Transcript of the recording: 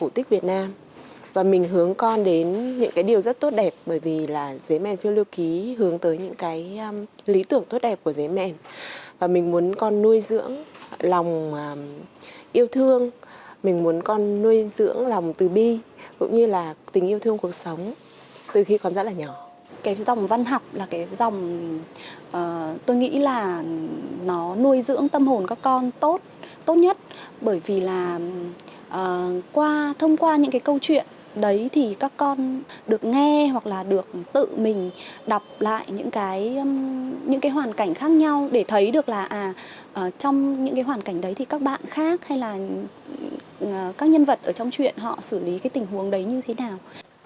tôi nghĩ là nó nuôi dưỡng tâm hồn các con tốt nhất bởi vì là thông qua những câu chuyện đấy thì các con được nghe hoặc là được tự mình đọc lại những hoàn cảnh khác nhau để thấy được là trong những hoàn cảnh đấy thì các bạn khác hay là các nhân vật ở trong chuyện họ xử lý tình huống đấy như thế nào